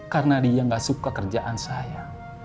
karena dia nggak suka kerjaan saya